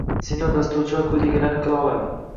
Senior dasturchilar quyidagilarni qila oladi